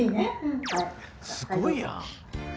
すごいやん。